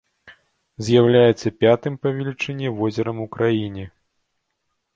З'яўляецца пятым па велічыні возерам у краіне.